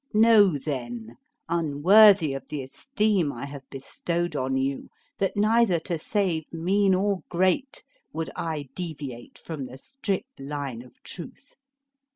Know then, unworthy of the esteem I have bestowed on you, that neither to save mean or great, would I deviate from the strict line of truth.